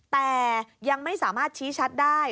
แต่ยังไม่สามารถชี้ชัดได้